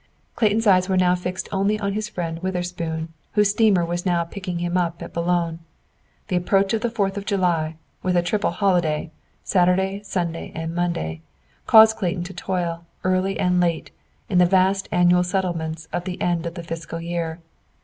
Clayton's eyes were now fixed only on his friend Witherspoon, whose steamer was now picking him up at Boulogne. The approach of the Fourth of July, with a triple holiday Saturday, Sunday and Monday caused Clayton to toil, early and late, in the vast annual settlements of the end of the fiscal year.